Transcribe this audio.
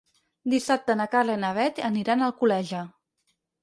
Dissabte na Carla i na Bet aniran a Alcoleja.